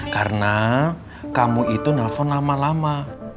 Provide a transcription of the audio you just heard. karena kamu itu nelfon lama lama